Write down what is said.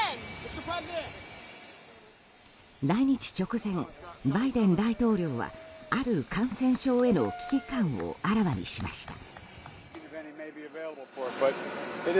来日直前、バイデン大統領はある感染症への危機感をあらわにしました。